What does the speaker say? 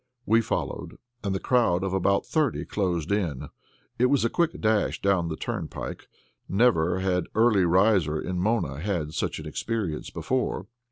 We followed, and the crowd of about thirty closed in. It was a quick dash down that turnpike. Never had early riser in Mona had such an experience before.